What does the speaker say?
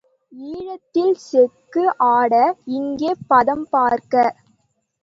ஈழத்தில் செக்கு ஆட, இங்கே பதம் பார்க்க.